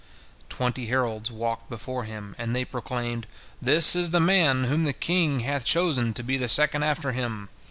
Twenty heralds walked before him, and they proclaimed: "This is the man whom the king bath chosen to be the second after him.